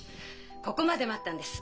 ここまで待ったんです。